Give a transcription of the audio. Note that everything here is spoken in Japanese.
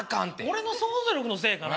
俺の想像力のせいかな？